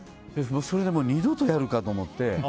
それで二度とやるかと思って。